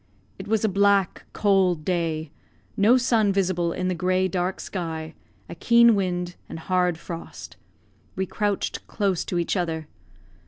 It was a black, cold day; no sun visible in the grey, dark sky; a keen wind, and hard frost. We crouched close to each other.